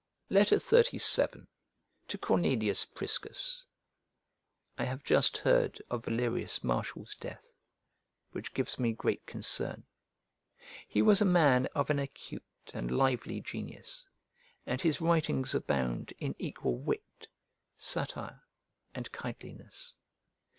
XXXVII To CORNELIUS PRISCUS I HAVE just heard of Valerius Martial's death, which gives me great concern. He was a man of an acute and lively genius, and his writings abound in equal wit, satire, and kindliness.